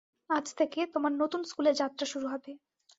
আজ থেকে, তোমার নতুন স্কুলে যাত্রা শুরু হবে।